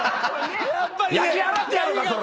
焼き払ってやろうか⁉それ！